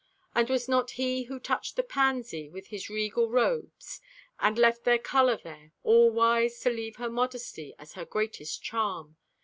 And was not He who touched the pansy With His regal robes and left their color there, All wise to leave her modesty as her greatest charm?